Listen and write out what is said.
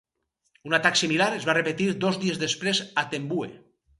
Un atac similar es va repetir dos dies després a Tembue.